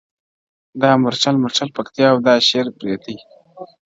دا مورچل، مورچل پکتيا او دا شېر برېتي!.